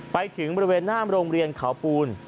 ไปถึงบริเวณหน้าโรงเรียนเขาปูน